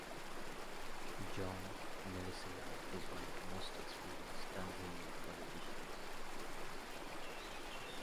John Malecela is one of the most experienced Tanzanian politicians.